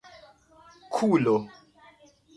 kulo